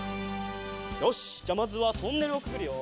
よしじゃあまずはトンネルをくぐるよ。